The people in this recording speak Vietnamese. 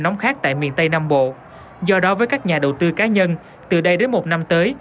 nóng khác tại miền tây nam bộ do đó với các nhà đầu tư cá nhân từ đây đến một năm tới